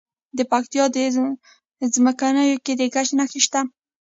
د پکتیا په څمکنیو کې د ګچ نښې شته.